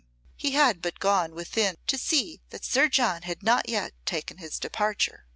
He had but gone within to see that Sir John had not yet taken his departure.